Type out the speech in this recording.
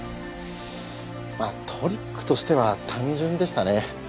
まあトリックとしては単純でしたね。